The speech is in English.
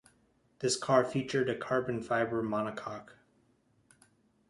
This car featured a carbon fiber monocoque.